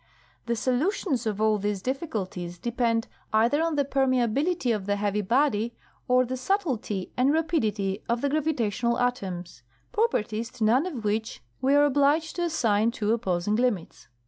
The solu tions of all these difficulties depend either on the permeability of the heavy body or the subtlety and rapidity of the gravitational atoms— properties to none of which we are obliged to assign two opposing limits.